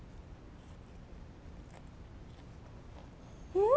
うん！